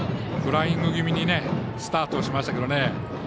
フライング気味にスタートしましたけどね。